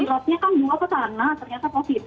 pilotnya kan juga ke sana ternyata positif